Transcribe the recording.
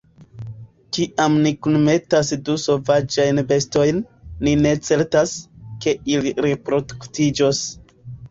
Kiam ni kunmetas du sovaĝajn bestojn, ni ne certas, ke ili reproduktiĝos.